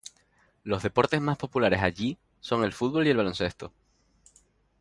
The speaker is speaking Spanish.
Los deportes más populares allí son el fútbol y el baloncesto.